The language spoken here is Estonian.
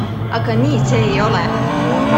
Aga nii see ei ole.